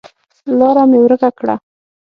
لاره مې ورکه کړه